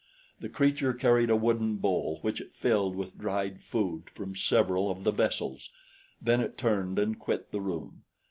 The creature carried a wooden bowl which it filled with dried food from several of the vessels; then it turned and quit the room.